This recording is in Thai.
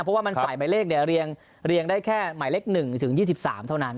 เพราะว่ามันใส่หมายเลขเรียงได้แค่หมายเลข๑ถึง๒๓เท่านั้น